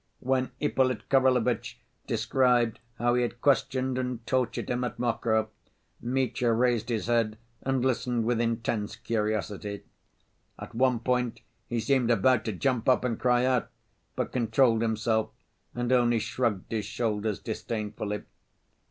When Ippolit Kirillovitch described how he had questioned and tortured him at Mokroe, Mitya raised his head and listened with intense curiosity. At one point he seemed about to jump up and cry out, but controlled himself and only shrugged his shoulders disdainfully.